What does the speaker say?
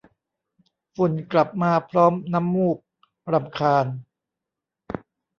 ฝุ่นกลับมาพร้อมน้ำมูก รำคาญ